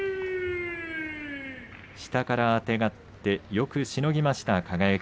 下からあてがってよくしのぎました輝。